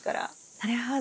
なるほど。